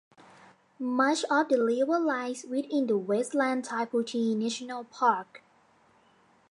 Much of the river lies within the Westland Tai Poutini National Park.